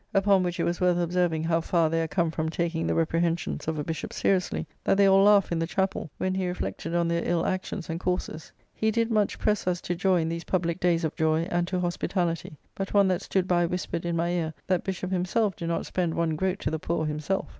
Upon which it was worth observing how far they are come from taking the reprehensions of a bishopp seriously, that they all laugh in the chappell when he reflected on their ill actions and courses. He did much press us to joy in these publique days of joy, and to hospitality. But one that stood by whispered in my ear that the Bishopp himself do not spend one groat to the poor himself.